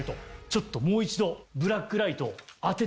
ちょっともう一度ブラックライトを当ててみたい。